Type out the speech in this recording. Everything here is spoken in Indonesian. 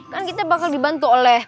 kan kita bakal dibantu oleh